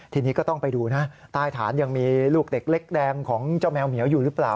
ทีนี้ก็ต้องไปดูนะใต้ฐานยังมีลูกเด็กเล็กแดงของเจ้าแมวเหมียวอยู่หรือเปล่า